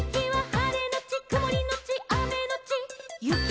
「はれのちくもりのちあめのちゆき」